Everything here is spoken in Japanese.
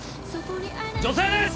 女性です！